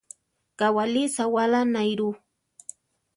Kawáli sawála naáiru.